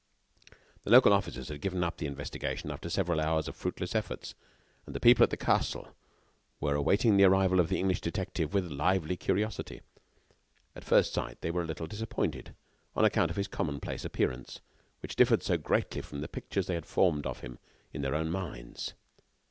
The local officers had given up the investigation after several hours of fruitless efforts, and the people at the castle were awaiting the arrival of the English detective with a lively curiosity. At first sight, they were a little disappointed on account of his commonplace appearance, which differed so greatly from the pictures they had formed of him in their own minds.